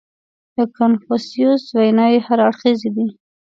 • د کنفوسیوس ویناوې هر اړخیزې دي.